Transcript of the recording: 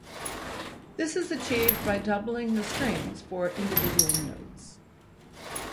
This is achieved by doubling the strings for individual notes.